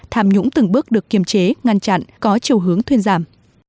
tham nhũng từng bước được kiềm chế ngăn chặn có chiều hướng thuyên giảm